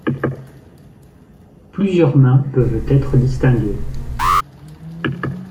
Plusieurs mains peuvent être distinguées.